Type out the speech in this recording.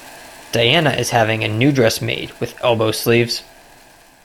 Diana is having a new dress made with elbow sleeves.